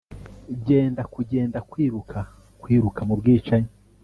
genda, kugenda, kwiruka, kwiruka mubwicanyi